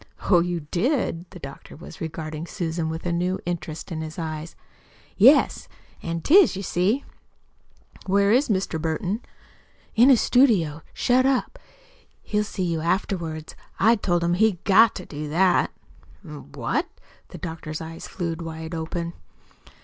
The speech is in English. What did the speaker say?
"Oh, you did!" The doctor was regarding Susan with a new interest in his eyes. "Yes, an' 'tis, you see." "Where is Mr. Burton?" "In his studio shut up. He'll see you afterwards. I told him he'd GOT to do that." "Eh? What?" The doctor's eyes flew wide open.